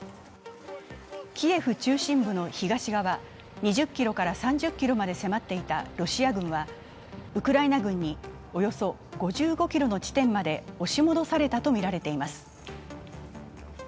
キエフ中心部の東側２０ｋｍから３０ｋｍまで迫っていたロシア軍はウクライナ軍におよそ５５ｋｍの地点まで押し戻されたとみられています。